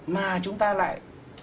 mà chúng ta lại